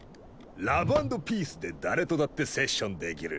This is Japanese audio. ラブ＆ピースで誰とだってセッションできる。